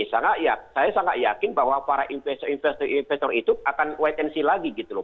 karena ya saya sangat yakin bahwa para investor investor investor itu akan wait and see lagi gitu loh